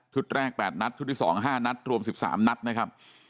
ชุดแรก๘นัตรชุดที่สอง๕นัตรรวม๑๓นัตรนะครับ